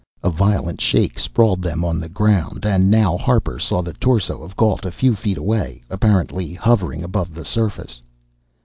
A violent shake sprawled them on the "ground" and now Harper saw the torso of Gault, a few feet away, apparently hovering above the surface.